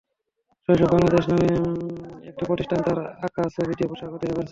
শৈশব বাংলাদেশ নামে একটি প্রতিষ্ঠান তার আঁকা ছবি দিয়ে পোশাকও তৈরি করেছে।